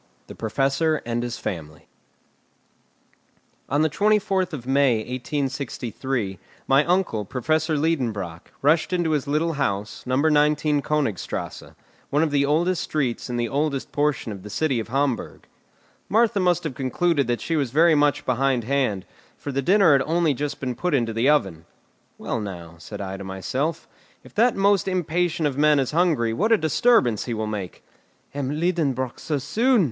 THE PROFESSOR AND HIS FAMILY On the 24th of May, 1863, my uncle, Professor Liedenbrock, rushed into his little house, No. 19 Königstrasse, one of the oldest streets in the oldest portion of the city of Hamburg. Martha must have concluded that she was very much behindhand, for the dinner had only just been put into the oven. "Well, now," said I to myself, "if that most impatient of men is hungry, what a disturbance he will make!" "M. Liedenbrock so soon!"